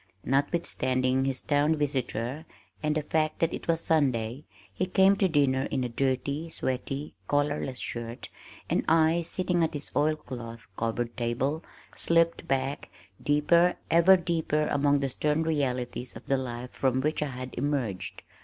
Notwithstanding his town visitor and the fact that it was Sunday, he came to dinner in a dirty, sweaty, collarless shirt, and I, sitting at his oil cloth covered table, slipped back, deeper, ever deeper among the stern realities of the life from which I had emerged.